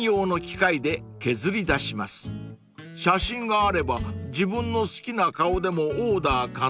［写真があれば自分の好きな顔でもオーダー可能］